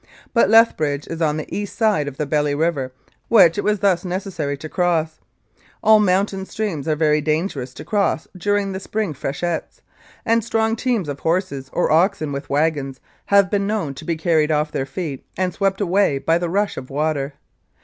But Lethbridge is on the east side of the Belly River, which it was thus necessary to cross. All mountain streams are very dangerous to cross during the spring freshets, and strong teams of horses or oxen with wagons have been known to be carried off their feet and swept away by the rush of water.